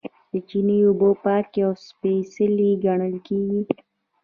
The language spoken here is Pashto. د چینې اوبه پاکې او سپیڅلې ګڼل کیږي.